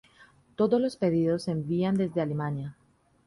Todos los pedidos se envían desde Alemania.